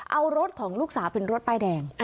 เอารถของลูกสาวเป็นรถป้ายแดง